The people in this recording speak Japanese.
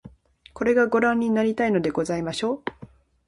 これが御覧になりたいのでございましょう